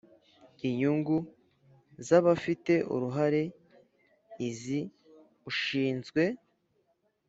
Inyungu z abafite uruhare iz ushinzwe